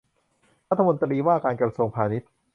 รัฐมนตรีว่าการกระทรวงพาณิชย์